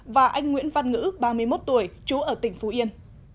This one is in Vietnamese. và anh nguyễn văn ngữ ba mươi một tuổi chú ở tỉnh phú yên